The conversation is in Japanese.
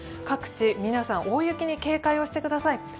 各地大雪に警戒してください。